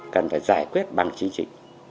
cần phải giải quyết bằng chính trị